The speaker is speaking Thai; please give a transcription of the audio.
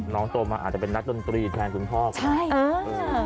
น้องโตมอาจจะเป็นนักต้นตรีแทนคุณพ่อกันนะ